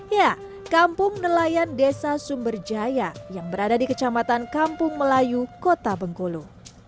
ya kampung nelayan desa sumberjaya yang berada di kecamatan kampung melayu kota bengkulu